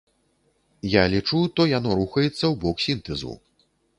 Я лічу, то яно рухаецца ў бок сінтэзу.